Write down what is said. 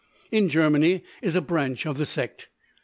"In Germany is a branch of the sect.